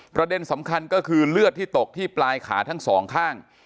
ประเด็นสำคัญก็คือเลือดที่ตกที่ปลายขาทั้งสองข้าง